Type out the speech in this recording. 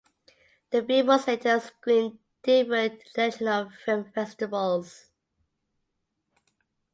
The film was later screened different international film festivals.